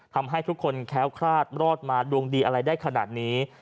ทำให้ทุกคนแค้วคลาดรอดมาดวงดีอะไรได้ขนาดนี้